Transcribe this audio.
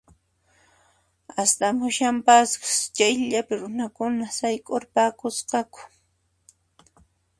Astamushaspankus chayllapi runakuna sayk'urqapusqaku